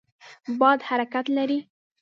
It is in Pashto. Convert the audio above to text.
باد حرکت لري.